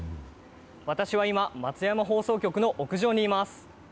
私は今、松山放送局の屋上にいます。